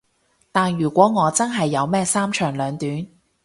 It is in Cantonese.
但如果我真係有咩三長兩短